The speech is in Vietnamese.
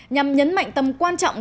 nhằm nhấn mạnh tâm quan trọng